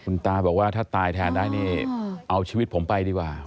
คุณตาบอกว่าถ้าตายแทนได้นี่เอาชีวิตผมไปดีกว่า